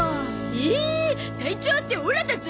えっ隊長ってオラだゾ。